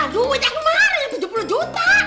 aduh yang kemarin tujuh puluh juta